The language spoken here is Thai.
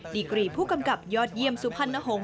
ดีกรีผู้กำกับยอดเยี่ยมสุพรรณหงษ